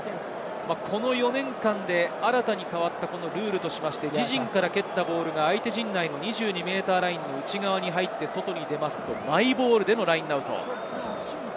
この４年間で新たに変わったルールとして、自陣から蹴ったボールが相手陣内の２２ｍラインの内側に入って外に出るとマイボールでのラインアウト。